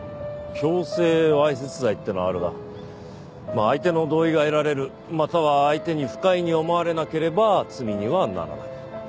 「強制わいせつ罪」っていうのはあるが相手の同意が得られるまたは相手に不快に思われなければ罪にはならない。